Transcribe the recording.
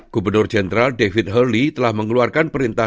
gubernur jenderal david herli telah mengeluarkan perintah